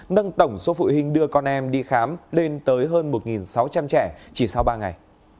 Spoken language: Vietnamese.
nâng tổng số phụ huynh đưa con em đi khám lên tới hơn một sáu trăm linh trẻ chỉ sau ba ngày